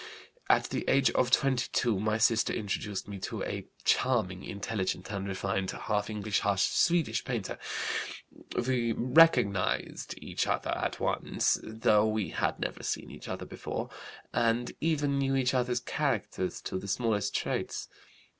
"At the age of 22 my sister introduced me to a charming, intelligent and refined, half English, half Swedish painter. We 'recognized' each other at once, though we had never seen each other before, and even knew each other's characters to the smallest traits.